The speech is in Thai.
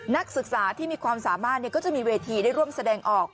นักศึกษาที่มีความสามารถก็จะมีเวทีได้ร่วมแสดงออก